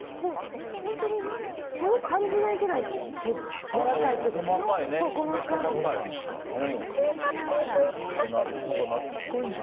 本当に毛を感じないくらいやわらかい毛です。